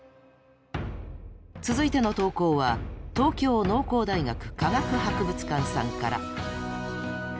続いての投稿は東京農工大学科学博物館さんから。